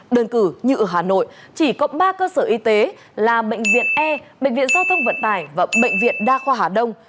đơn cử như ở hà nội chỉ có ba cơ sở y tế là bệnh viện e bệnh viện giao thông vận tải và bệnh viện đa khoa hà đông